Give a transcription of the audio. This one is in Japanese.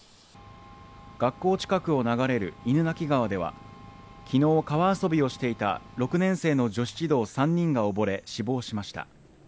学校近くを流れる犬鳴川では、昨日川遊びをしていた６年生の女子児童３人がおぼれ、死亡しました。